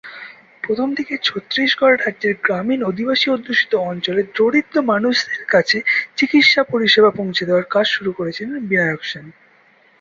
প্রথমদিকে ছত্তীসগঢ় রাজ্যের গ্রামীণ আদিবাসী অধ্যুষিত অঞ্চলে দরিদ্র মানুষের কাছে চিকিৎসা পরিষেবা পৌঁছে দেওয়ার কাজ শুরু করেছিলেন বিনায়ক সেন।